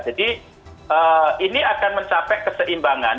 jadi ini akan mencapai keseimbangan